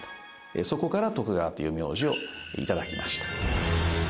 そこから徳川という名字を頂きました。